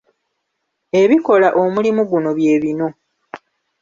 Ebikola omulimo guno bye bino.